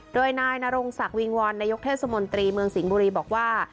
โดยนายนรงศักดิ์วิงวอนนายกเทศมนตรีเมืองสิงห์บุรีบอกว่า